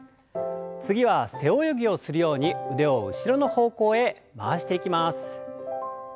次は背泳ぎをするように腕を後ろの方向へ回していきます。